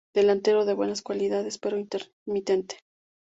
Delantero de buenas cualidades pero intermitente.